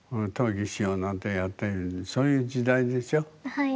はい。